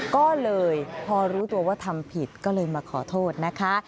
ก็เลยพอรู้ตัวว่าทำผิดก็เลยมาขอโทษนะคะ